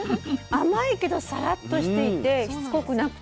甘いけどサラッとしていてしつこくなくて。